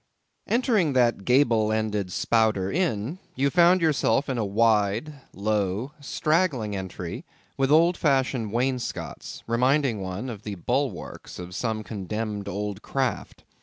Entering that gable ended Spouter Inn, you found yourself in a wide, low, straggling entry with old fashioned wainscots, reminding one of the bulwarks of some condemned old craft.